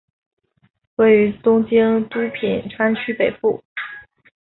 位于东京都品川区北部。